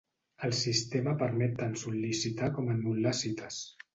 El sistema permet tant sol·licitar com anul·lar cites.